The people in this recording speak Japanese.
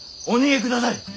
お逃げください。